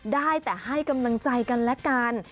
ได้แต่ให้กำลังใจกันและกัน